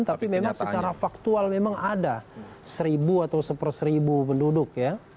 tapi memang secara faktual memang ada seribu atau seper seribu penduduk ya